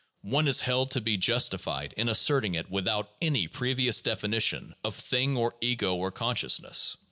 One is held to be justified in asserting it without any previous definition of thing or ego or consciousness.